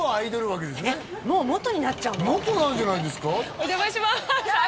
お邪魔しますあっ